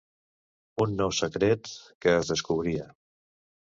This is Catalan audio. Un nou secret que es descobria.